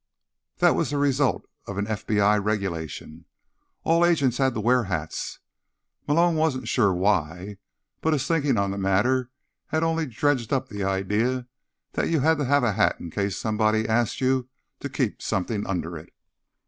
That was the result of an FBI regulation. All agents had to wear hats. Malone wasn't sure why, and his thinking on the matter had only dredged up the idea that you had to have a hat in case somebody asked you to keep something under it.